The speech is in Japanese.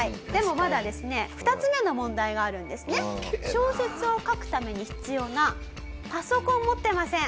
小説を書くために必要なパソコン持ってません。